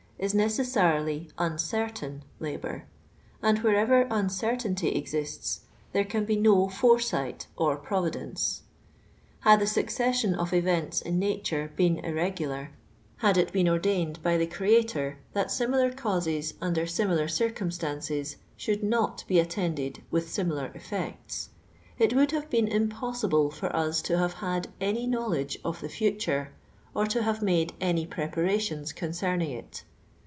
is necessarily uncrrtain, labour; and wherever uiicortainty exists, there cnn be no foresight or providence. Uad the succession of events in nature been irre gular,—lia'l it been ordained by the Creator that similar causes under limihir circumstances should not be attended with similar eftit>cts, — it would have been impossible for us to have had any knowledge of the futuro, or to have made any preparations concerning it.